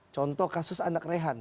contoh kasus anak rehan